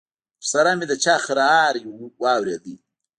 ورسره مې د چا خرهار واورېدل.